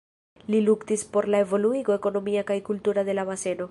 Li luktis por la evoluigo ekonomia kaj kultura de la baseno.